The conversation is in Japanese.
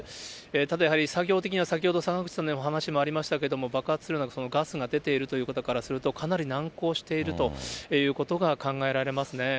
ただやはり、作業的には先ほど坂口さんのお話にもありましたように、爆発するようなガスが出ているということからすると、かなり難航しているということが考えられますね。